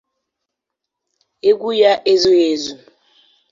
Egwu ya ezughị ezu.